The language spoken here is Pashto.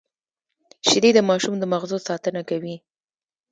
شیدې د ماشوم د مغزو ساتنه کوي